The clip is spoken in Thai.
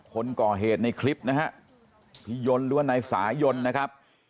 คนก่อเหตุในคลิปนะฮะพี่ยนต์หรือว่านายสายยนนะครับ